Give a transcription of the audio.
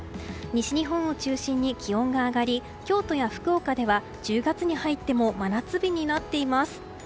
西日本を中心に気温が上がり京都や福岡では１０月に入っても真夏日になっています。